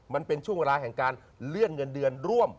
มันเป็นช่วงเวลาแห่งการเลื่อนเงินเดือนร่วม